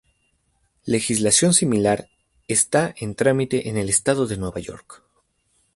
Legislación similar está en trámite en el estado de Nueva York.